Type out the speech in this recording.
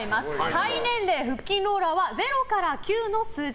肺年齢、腹筋ローラーは０から９の数字